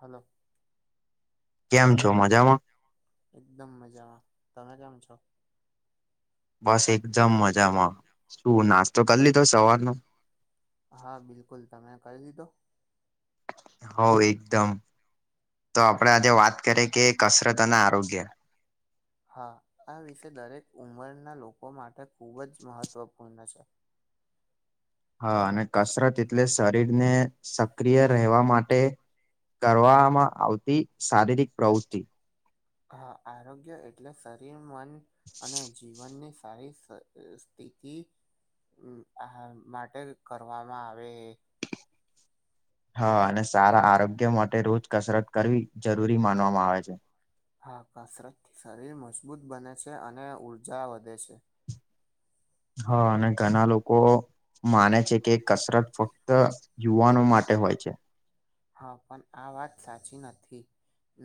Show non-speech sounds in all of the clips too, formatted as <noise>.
હાલો કેમ છો મજામાં? એકદમ મજામાં તમે કેમ છો? બસ એકદમ મજામાં, શું નાસ્તો કરી લીધો સવારનો હા બિલકુલ તમે કરી લીધો? હો એકદમ તો આપડે આજે વાત કરીએ કે કસરત અને આરોગ્ય. હા આ વિષ દરેક ઉંમરના લોકો માટે ખૂબ જ મહત્વપૂર્ણ છે. હા અને કસરત એટલે શરીરને સક્રિય રહેવા માટે કરવામાં આવતી શારીરિક પ્રવૃતિ હા આરોગ્ય એટલે શરીર મન અને જીવનની સારી શ સ્થિતી આ માટે કરવામાં આવે હા અને સારા આરોગ્ય માટે રોજ કસરત કરવી જરૂરી માનવામાં આવે છે. હા કસરતથી શરીર મજબૂત બને છે અને ઊર્જા વધે છે. હા અને ઘણા લોકો માને છે કે કસરત ફ ક્ત યુવાનો માટે હોય છે. હા પણ આ વાત સાચી નથી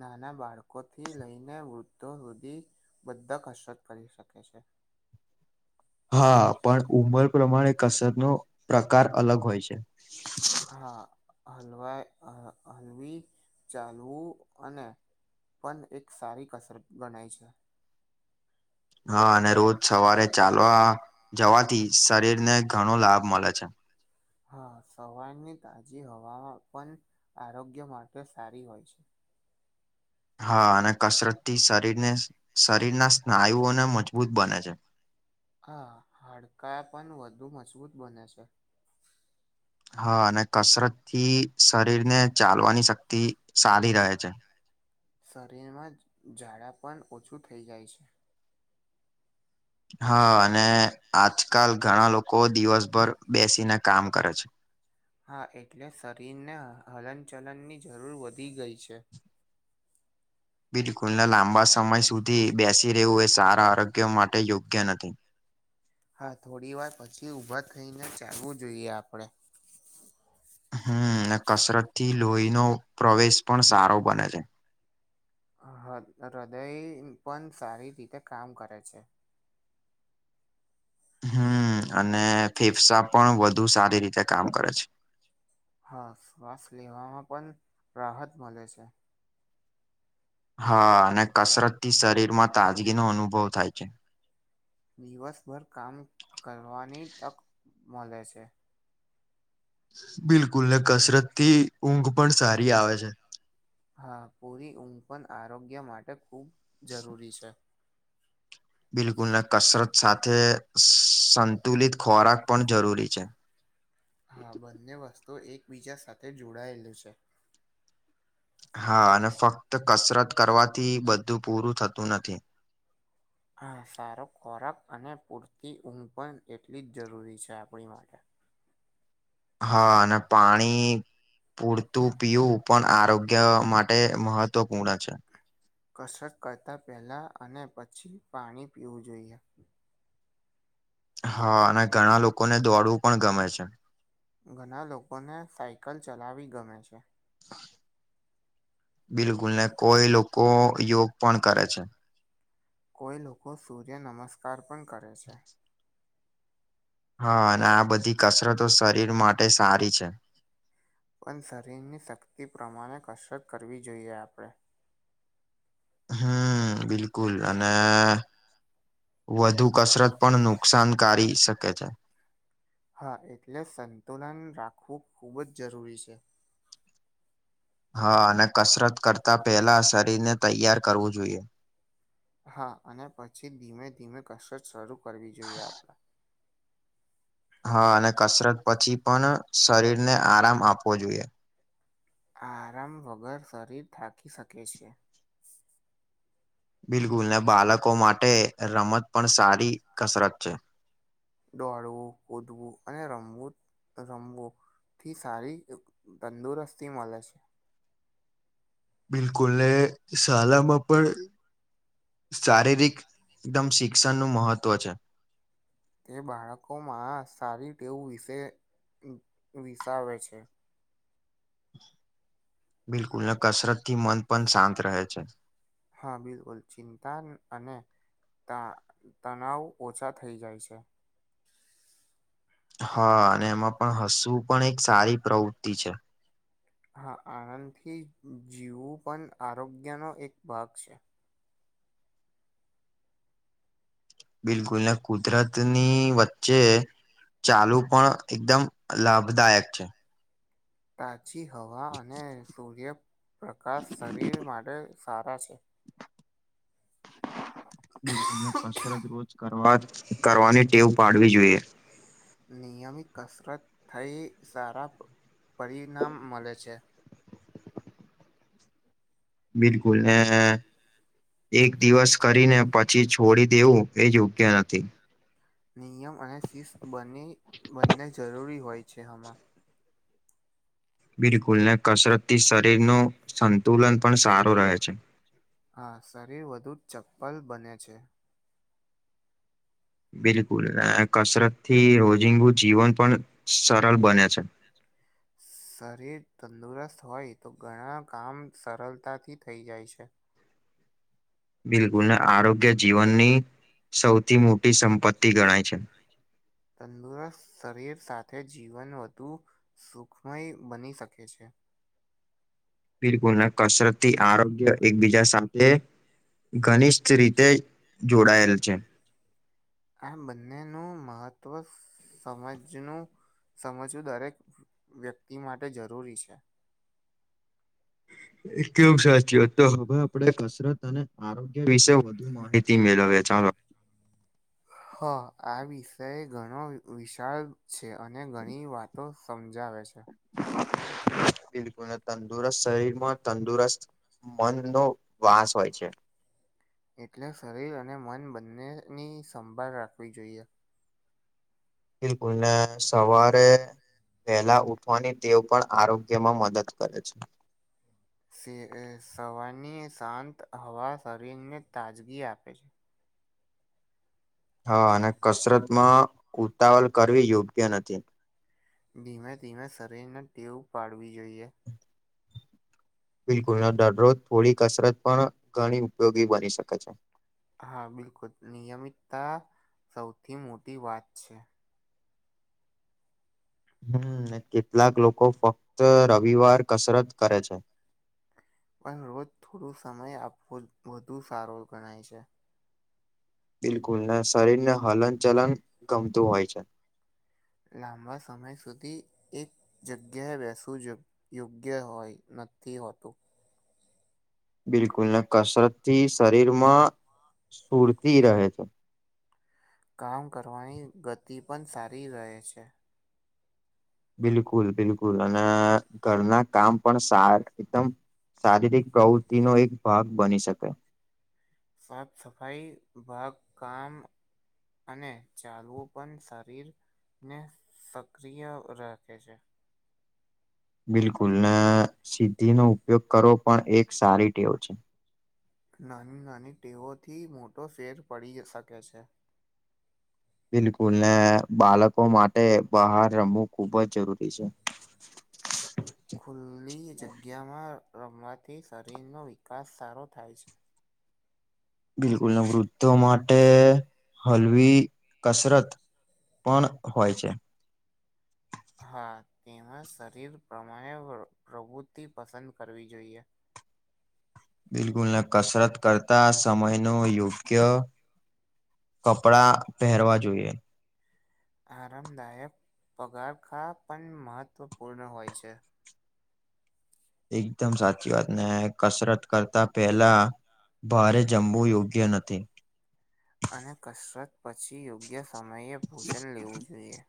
નાના બાળકો થી લઈને વૃદ્ધો સુધી. બધા કસરત કરી શકે છે. હા પણ ઉંમર પ્રમાણે કસરતનો પ્રકાર અલગ હોય છે. હા હલવાય હલવી ચાલવું અને પણ એક સારી કસરત ગણાય છે. હા અને રોજ સવારે ચાલવા જવાથી શરીર ને ઘણો લાભ મળે છે. હા સવારની તાજી હવામાં પણ આરોગ્ય માટે સારી હોય છે. હા અને કસરતથી શરીરને શરીરના સ્નાયુઓને મજબૂત બને છે. હા હાડકા પણ વધુ મજબૂત બને છે. હા અને કસરત થી શરીર ને ચાલવાની શક્તિ સારી રહે છે. શરીરમાં ઝાડા પણ ઓછું થઈ જાય છે. હા અને આજકાલ ઘણા લોકો દિવસભર બેસીને કામ કરે છે. હા એટલે શરીરને હલનચલનની જરૂર વધી ગઈ છે. બિલકુલ લાંબા સમય સુધી બેસી રહેવું એ સારા આરોગ્ય માટે યોગ્ય નથી. હા થોડી વાર પછી ઊભા થઈને ચાલવું જોઈએ આપણે. હમ અને કસરત થી લોહીનો પ્રવેશ પણ સારો બને છે. હ હૃદય પણ સારી રીતે કામ કરે છે. હમ અને ફેફસા પણ વધુ સારી રીતે કામ કરે છે. હા શ્વાસ લેવામાં પણ રાહત મળે છે. હા અને કસરત થી શરીર માં તાજગી નો અનુભવ થાય છે. દિવસભર કામ કરવાની તક મળે છે. બિલકુલ ને કસરત થી ઊંઘ પણ સારી આવે છે. હા પૂરી ઊંઘ પણ આરોગ્ય માટે ખૂબ જરૂરી છે. બિલકુલ કસરત સાથે સંતુલિત ખોરાક પણ જરૂરી છે. હા બંને વસ્તુ એકબીજા સાથે જોડાયેલી છે. હા અને ફક્ત કસરત કરવાથી બધું પૂરું થતું નથી. હા સારો ખોરાક અને પૂરતી ઊંઘ પણ એટલી જ જરૂરી છે આપણી માટે હા અને પાણી પૂરતું પીવું પણ આરોગ્ય માટે મહત્વપૂર્ણ છે. કસરત કરતાં પહેલા અને પછી પાણી પીવું જોઈએ. હા અને ઘણા લોકોને દોડવું પણ ગમે છે. ઘણા લોકોને સાયકલ ચલાવી ગમે છે. બિલકુલ ને કોઈ લોકો યોગ પણ કરે છે. કોઈ લોકો સૂર્ય નમસ્કાર પણ કરે છે. હા અને આ બધી કસરતો શરીર માટે સારી છે. પણ શરીરની શક્તિ પ્રમાણે કસરત કરવી જોઈએ આપણે હમ બિલકુલ અને વધુ કસરત પણ નુકસાન કારી શકે છે. હા એટલે સંતુલન રાખવું ખુબ જ જરૂરી છે. હા અને કસરત કરતા પેલા શરીર ને તૈયાર કરવું જોઈએ. હા અને પછી ધીમે ધીમે કસરત શરૂ કરવી જોઈએ આપણે. હા અને કસરત પછી પણ શરીરને આરામ આપવો જોઈએ. આરામ વગર શરીર થાકી શકે છે. બિલકુલ ને બાળકો માટે રમત પણ સારી કસરત છે. દોડવું, કૂદવું અને રમવું રમવું. થી સારી તંદુરસ્તી મળે છે. બિલકુલ ને <unintelligible> પણ શારીરિક એકદમ શી શિક્ષણ નું મહત્વ છે. તે બાળકોમાં સારી ટેવું વિશે વિસાવે છે. બિલકુલ ને કસરત થી મન પણ શાંત રહે છે. હા બિલકુલ ચિંતા અને તા તણાવ ઓછા થઈ જાય છે. હા અને એમાં પણ હસવું પણ એક સારી પ્રવૃત્તિ છે. હા આનંદથી જીવવું પણ આરોગ્યનો એક ભાગ છે. બિલકુલ ને કુદરતની વચ્ચે ચાલવું પણ એકદમ લાભદાયક છે. તાજી હવા અને સૂર્યપ્રકાશ શરીર માટે સારા છે. બિલકુલ કસરત રોજ કરવા કરવાની ટેવ પાડવી જોઈએ. નિયમિત કસરત થઈ સારા પરિણામ મળે છે. બિલકુલ હે હે એક દિવસ કરીને પછી છોડી દેવું એ યોગ્ય નથી. નિયમ અને શિસ્ત બં બંને જરૂરી હોય છે હમા બિલકુલ ને કસરતથી શરીર નુ સંતુલન પણ સારું રહે છે. હા શરીર વધુ ચપ્પલ બને છે. બિલકુલ કસરત થી રોજિંગુ જીવન પણ સરળ બને છે. શરીર તંદુરસ્ત હોય તો ઘણા કામ સરળતાથી થઈ જાય છે. બિલકુલ ને આરોગ્ય જીવનની સૌથી મોટી સંપત્તિ ગણાય છે. તંદુરસ્ત શરીર સાથે જીવન વધુ સુખમય બની શકે છે. બિલકુલ, ને કસરતથી આરોગ્ય એકબીજા સાથે ઘનિષ્ઠ રીતે જોડાયેલ છે. આ બંનેનું મહત્વ સમજનું સમજવું દરેક વ્યક્તિ માટે જરૂરી છે. એદમ સાચી વાત તો હવે આપડે કસરત અને આરોગ્ય વિશે વધુ માહિતી મેળવે, ચાલો. હા, આ વિષય ઘણો વિશળ છે અને ઘણી વાતો. સમજાવે છે. <inaudible> બિલકુલને તંદુરસ્ત શરીરમાં તંદુરસ્ત મન નો વાસ હોય છે. એટલે શરીર અને મન બંનેની સંભાળ રાખવી જોઈએ. બિલકુલ ને સવારે વેહલા ઉઠવાની ટેવ પણ આરોગ્યમાં મદદ કરે છે. સી સવારની શાંત હવા શરીરને તાજગી આપે છે. હા અને કસરત માં ઉતાવળ કરવી યોગ્ય નથી. ધીમે ધીમે શરીરને ટેવ પાડવી જોઈએ. બિલકુલને દરરોજ થોડી કસરત પણ ઘણી ઉપયોગી બની શકે છે. હા, બિલકુલ નિયમિતતા સૌથી મોટી વાત છે. હમ્મ, કેટલાક લોકો ફક્ત અહ રવિવાર કસરત કરે છે. પણ રોજ થોડો સમય આપવોજ વધુ સારો ગણાય છે. બિલકુલ ને શરીરને હલન ચલન ગમતું હોય છે. લાંબા સમય સુધી એક જગ્યાએ બેસવુ જ યોગ્ય હોય, નથી હોતું. બિલકુલ ને કસરતથી શરીરમાં સ્ફૂર્તિ રહે છે. કામ કરવાની ગતિ પણ સારી રહે છે. બિલકુલ બિલકુલ અને ઘરના કામ પણ સાર એકદમ શારીરક પ્રવૃતિનો એક ભાગ બની શકે. સાફ સફાઈ ભાગ કામ અને ચાલવું પણ શરીર ને સક્રિય રાખે છે. બિલકુલ ને સિદ્ધિનો ઉપયોગ કરવો પણ એક સારી ટેવ છે. નાની નાની ટેવોથી મોટો ફેર પડી શકે છે. બિલકુલ ને બાળકો માટે બહાર રમવું ખુબજ જરૂરી છે. ખુલ્લી જગ્યામાં રમવાથી શરીરનો વિકાસ સારો થાય છે. બિલકુલ ને વૃદ્ધો માટે હલવી કસરત પણ હોય છે. હા, તેમાં શરીર પ્રમાણે પ્ર પ્રવૃત્તિ પસંદ કરવી જોઈએ. બિલકુલને કસરત કરતા સમયનો યોગ્ય કપડા પહેરવા જોઈએ. આરામદાયક પગારખા પણ મહત્વપૂર્ણ હોય છે. એકદમ સાચી વાત ને કસરત કરતા પહેલા. ભારે જમવું યોગ્ય નથી. અને કસરત પછી યોગ્ય સમયે ભોજન લેવું જોઈએ.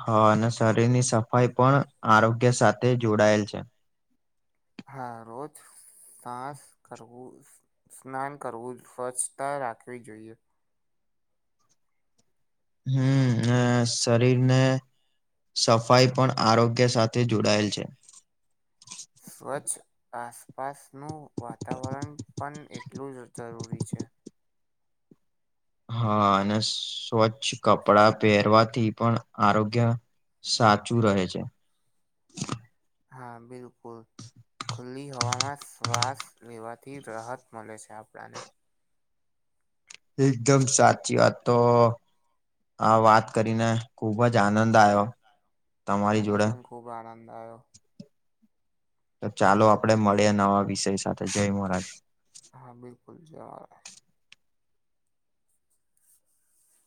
હા અને શરીરની સફાઈ પણ આરોગ્ય સાથે જોડાયેલ છે. હા, રોજ સાસ કરવું સ્નાન કરવું સ્વચ્છતા રાખવી જોઈએ. હમ ને શરીર ને સફાઈ પણ આરોગ્ય સાથે જોડાયેલ છે. સ્વચ્છ આસપાસનું વાતાવરન પન એટલું જ જરૂરી છે. હા અને સ્વચ્છ કપડાં પેરવાથી પણ આરોગ્ય સાચું રહે છે. હા બિલકુલ. ખુલ્લી હવાના શ્વાસ લેવાથી રાહત મલે છે આપણાને. એકદમ સાચી વાત તો આ વાત કરીને ખુબ જ આનંદ આયો. મને પન ખૂબ આનંદ આયો. ચાલો આપડે મળીએ નવા વિષય સાથે જય મહારાજ. હા બિલકુલ જય મહારાજ.